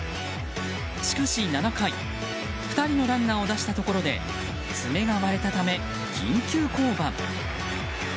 しかし７回２人のランナーを出したところで爪が割れたため、緊急降板。